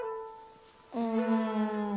うん。